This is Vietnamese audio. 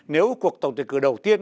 nếu cuộc tổng tuyển cử đầu tiên